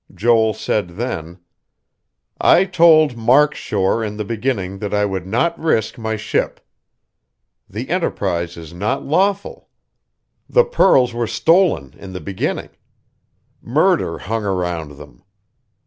Joel said then: "I told Mark Shore in the beginning that I would not risk my ship. The enterprise is not lawful. The pearls were stolen in the beginning; murder hung around them.